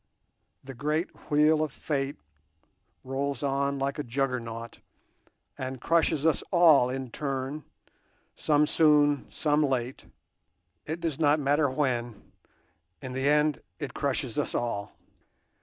The great wheel of Fate rolls on like a Juggernaut, and crushes us all in turn, some soon, some late—it does not matter when, in the end, it crushes us all.